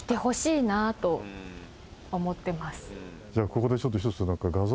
じゃここでちょっと画像。